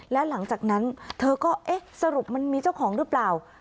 แล้วหลังจากนั้นเธอก็เอ๊ะสรุปมันมีเจ้าของหรือเปล่า